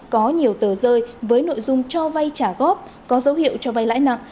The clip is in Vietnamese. có nhiều tờ rơi với nội dung cho vay trả góp có dấu hiệu cho vay lãi nặng